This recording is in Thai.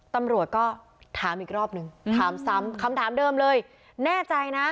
ตำรวจก็ถามอีกรอบนึงถามซ้ำคำถามเดิมเลยแน่ใจนะ